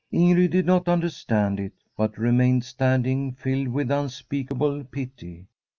Ingrid did not understand it, but remained standing, filled with unspeakable pity.